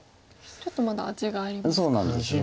ちょっとまだ味がありますか。